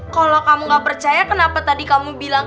kalau kamu gak percaya kenapa tadi kamu bilang